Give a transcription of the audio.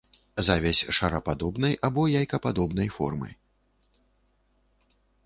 Завязь шарападобнай або яйкападобнай формы.